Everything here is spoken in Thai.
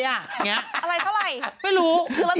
อย่างนี้ก่อนจะได้เหรอไม่รู้